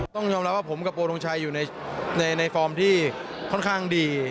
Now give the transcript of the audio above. ต้องยอมรับว่าผมกับโปรดงชัยอยู่ในฟอร์มที่ค่อนข้างดี